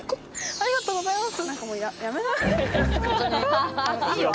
ありがとうございます。